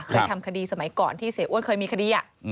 เคยทำคดีสมัยก่อนที่เสียอ้วนเคยมีคดี